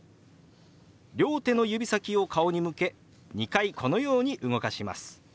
両手の指先を顔に向け２回このように動かします。